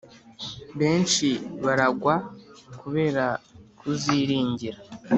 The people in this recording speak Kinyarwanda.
Benshi baragwa kubera kuziringira.